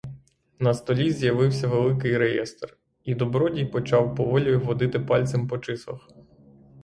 На столі з'явився великий реєстр, і добродій почав поволі водити пальцем по числах.